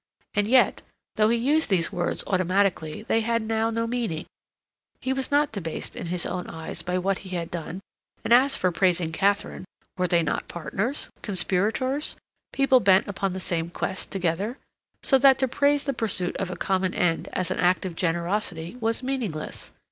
And yet, though he used these words automatically, they had now no meaning. He was not debased in his own eyes by what he had done, and as for praising Katharine, were they not partners, conspirators, people bent upon the same quest together, so that to praise the pursuit of a common end as an act of generosity was meaningless.